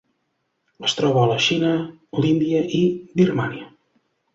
Es troba a la Xina, l'Índia i Birmània.